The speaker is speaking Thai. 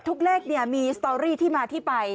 ตุกเลขเนี่ยมีโตะรีที่มาที่ไป